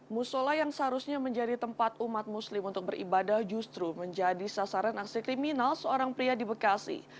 musola yang seharusnya menjadi tempat umat muslim untuk beribadah justru menjadi sasaran aksi kriminal seorang pria di bekasi